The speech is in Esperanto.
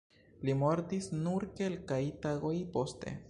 Li mortis nur kelkaj tagoj poste.